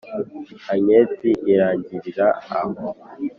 anketi irangirira aho!